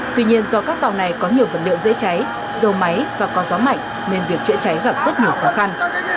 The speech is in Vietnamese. tuy nhiên do các tàu này có nhiều vật liệu dễ cháy dầu máy và có gió mạnh nên việc chữa cháy gặp rất nhiều khó khăn